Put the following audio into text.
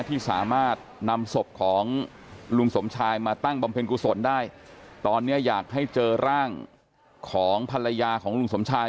ที่สามารถนำศพของลุงสมชายมาตั้งบำเพ็ญกุศลได้ตอนนี้อยากให้เจอร่างของภรรยาของลุงสมชาย